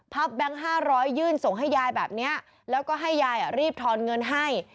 พับแบงค์ห้าร้อยยื่นส่งให้ยายแบบเนี้ยแล้วก็ให้ยายอ่ะรีบทอนเงินให้